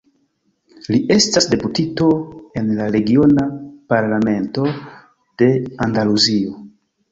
Li estas deputito en la regiona Parlamento de Andaluzio.